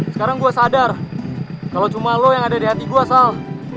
sekarang gue sadar kalau cuma lo yang ada di hati gue asal